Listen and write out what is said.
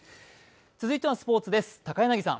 続いてはスポーツです。